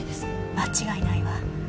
間違いないわ。